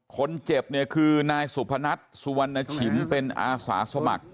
คนเจ็บเนี่ยคือนายสุพนัทสุวรรณฉินเป็นอาสาสมัคร